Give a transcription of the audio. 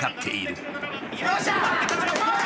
よっしゃ！